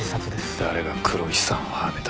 誰が黒石さんをはめた？